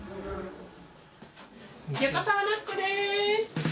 横澤夏子です。